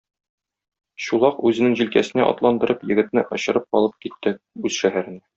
Чулак үзенең җилкәсенә атландырып егетне очырып алып китте үз шәһәренә.